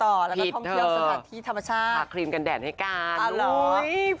แล้วก็ท่องเที่ยวสถานที่ธรรมชาติพักครีมกันแดดให้กันอ๋อเหรอผิดเถอะ